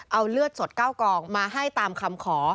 เอาเลือดสด๙กองมาให้ตามคำขอ